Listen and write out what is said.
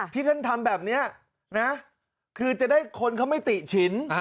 ที่ท่านทำแบบนี้นะคือจะได้คนเขาไม่ติฉิน